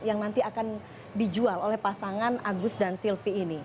yang nanti akan dijual oleh pasangan agus dan silvi ini